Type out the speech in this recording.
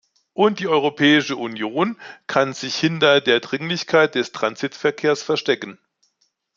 Und die Europäische Union kann sich hinter der Dringlichkeit des Transitverkehrs verstecken.